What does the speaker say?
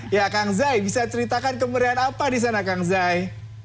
ya akang zai bisa ceritakan kemerdekaan apa di sana akang zai